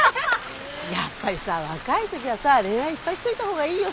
やっぱりさ若い時はさあ恋愛いっぱいしといた方がいいよ。